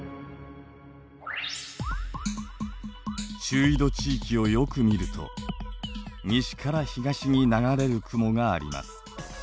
中緯度地域をよく見ると西から東に流れる雲があります。